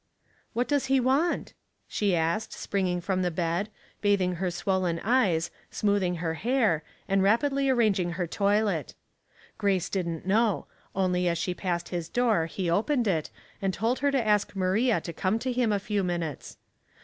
What does he want?" she asked, springing from the bed, bathing her swollen eyes, smooth ing her hair, and rapidly arranging her toilet. Grace didn't know, only as she passed his door he opened it, and told her to ask Maria to come to him a few minutes.